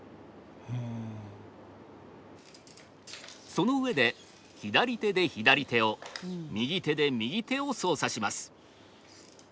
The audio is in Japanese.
その上で左手で左手を右手で右手を操作します。